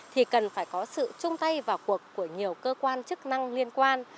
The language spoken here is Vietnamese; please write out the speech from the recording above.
thì cần phải có sự chung tay vào cuộc của nhiều cơ quan chức năng liên quan